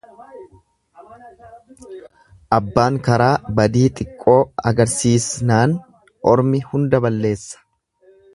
Abbaan karaa badii xiqqoo agarsiisnaan ormi hunda balleessa.